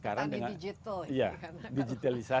penanian digital ini bra